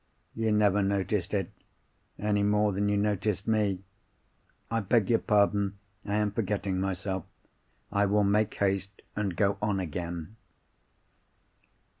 You never noticed it, any more than you noticed me. I beg your pardon; I am forgetting myself. I will make haste, and go on again.